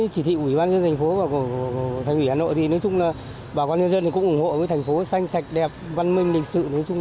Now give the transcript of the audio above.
chỉ thị ủy ban nhân dân thành phố của thành ủy hà nội bà con nhân dân cũng ủng hộ thành phố xanh sạch đẹp văn minh lịch sự